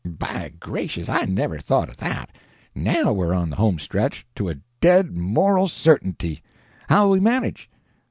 "'By gracious, I never thought of that! Now we're on the homestretch, to a dead moral certainty. How'll we manage?